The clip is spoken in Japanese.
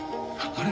あれ？